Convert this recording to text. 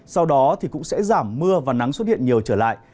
sau đó thì cũng sẽ giảm mưa và nắng xuất hiện nhiều trở lại